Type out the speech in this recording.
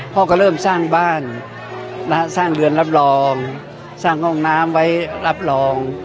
พ่อก็เริ่มสร้างบ้านสร้างเรือนรับรองสร้างห้องน้ำไว้รับรอง